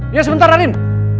iya sebentar arin